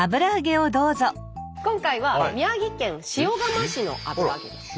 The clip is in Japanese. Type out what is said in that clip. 今回は宮城県塩釜市の油揚げです。